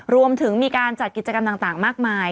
รวมถึงมีการจัดกิจกรรมต่างมากมาย